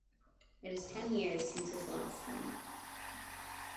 It is ten years since his last one.